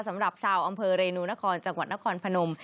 สำหรับชาวอำเภอเรนูนครจังหวัดนครพนม